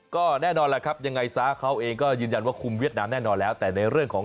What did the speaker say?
ก็แน่นอนแหละครับยังไงซะเขาเองก็ยืนยันว่าคุมเวียดนามแน่นอนแล้วแต่ในเรื่องของ